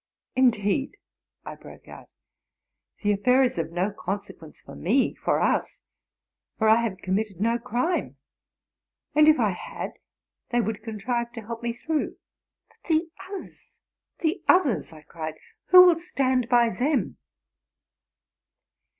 '* Indeed!'' I broke out, '' the affair is of no consequence for me, —for us: for I have committed no crime; and, if I had, they would contrive to help me through: but the others, the others,'' I cried, '> who will stand by them?"